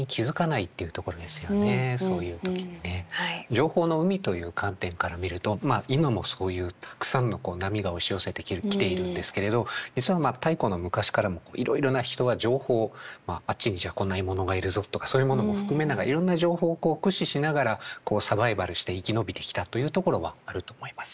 情報の海という観点から見ると今もそういうたくさんの波が押し寄せてきているんですけれど実は太古の昔からもいろいろな人が情報あっちにじゃあこんな獲物がいるぞとかそういうものも含めながらいろんな情報をこう駆使しながらサバイバルして生き延びてきたというところはあると思います。